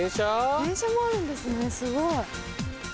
電車もあるんですねすごい！